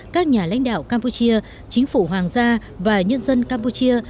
các nhà lãnh đạo campuchia chính phủ hoàng gia và nhân dân campuchia